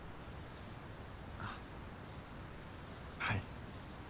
あっはい。